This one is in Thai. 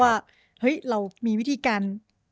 ว่าเรามีวิธีการ